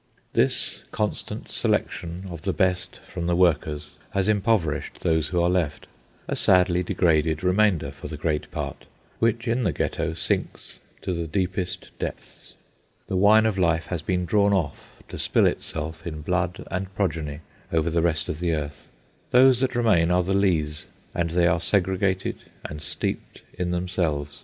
This constant selection of the best from the workers has impoverished those who are left, a sadly degraded remainder, for the great part, which, in the Ghetto, sinks to the deepest depths. The wine of life has been drawn off to spill itself in blood and progeny over the rest of the earth. Those that remain are the lees, and they are segregated and steeped in themselves.